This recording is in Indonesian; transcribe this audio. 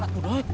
aduh atuh doi